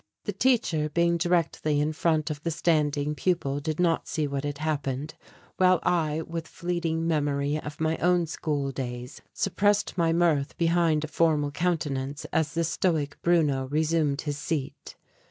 The teacher being directly in front of the standing pupil did not see what had happened, while I, with fleeting memory of my own school days, suppressed my mirth behind a formal countenance, as the stoic Bruno resumed his seat.